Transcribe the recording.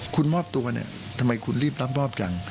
คุณมอบตัวเนี่ยทำไมคุณรีบรับมอบจัง